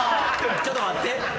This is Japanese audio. ちょっと待って。